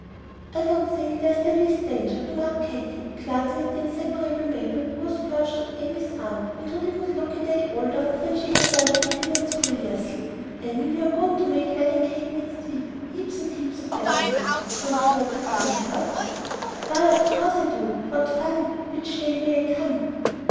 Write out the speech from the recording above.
"I don't think there's the least danger," remarked Katy, glancing at the inseparable Mabel, who was perched on Amy's arm, and who did not look a day older than she had done eighteen months previously. "Amy, we're going to make wedding cake next week, heaps and heaps of wedding cake. Don't you want to come and help?" "Why, of course I do. What fun! Which day may I come?"